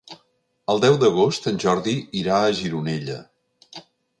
El deu d'agost en Jordi irà a Gironella.